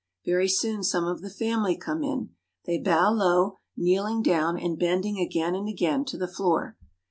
Very soon some of the family come in. They bow low, kneeling down and bend ing again and again to the floor.